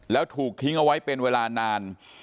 แล้วถูกทิ้งเอาไว้เป็นเวลานาน